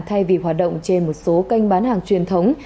thay vì hoạt động trên một số kênh bán hàng truyền thống